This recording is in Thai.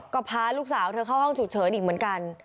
ก็พาลูกสาวเธอเข้าห้องฉุกเฉินอีกเหมือนกัน